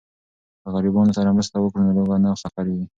که غریبانو سره مرسته وکړو نو لوږه نه خپریږي.